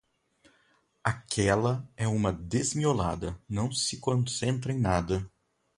Aquela é uma desmiolada, não se concentra em nada.